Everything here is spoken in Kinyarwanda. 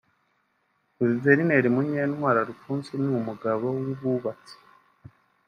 Guverineri Munyantwali Alphonse ni Umugabo wububatse